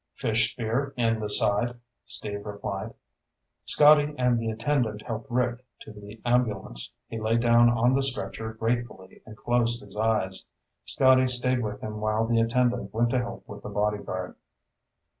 "Fish spear in the side," Steve replied. Scotty and the attendant helped Rick to the ambulance. He lay down on the stretcher gratefully and closed his eyes. Scotty stayed with him while the attendant went to help with the bodyguard.